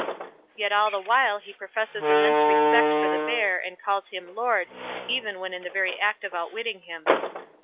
Yet all the while he professes immense respect for the Bear, and calls him "Lord", even when in the very act of outwitting him.